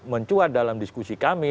mencuat dalam diskusi kami